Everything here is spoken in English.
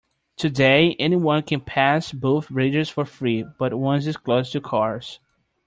Today, anyone can pass both bridges for free, but one is closed to cars.